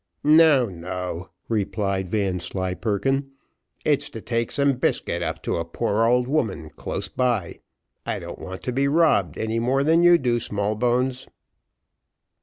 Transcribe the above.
"No, no," replied Vanslyperken, "it's to take some biscuit up to a poor old woman close by. I don't want to be robbed, any more than you do, Smallbones."